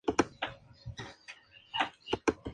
La crin y la cola están llegando y la cola se configura bajo.